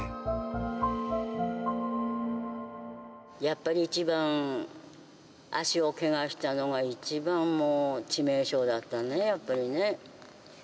やっぱり一番、足をけがしたのが一番もう、致命傷だったね、やっぱりね。